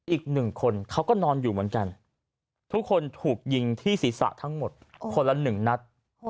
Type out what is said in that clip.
อีกหนึ่งคนเขาก็นอนอยู่เหมือนกันทุกคนถูกยิงที่ศีรษะทั้งหมดคนละ๑นัด